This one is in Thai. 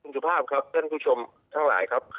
ใจเถิดผู้ชมทั้งหลายครับ